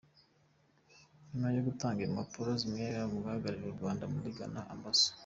Nyuma yo gutanga impapuro zimwemerera guhagararira u Rwanda muri Ghana, Amb.